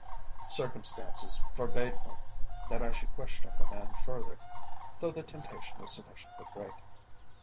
Circumstances forbade me that I should question the man further, though the temptation was sufficiently great.